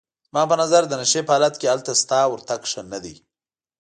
زما په نظر د نشې په حالت کې هلته ستا ورتګ ښه نه دی.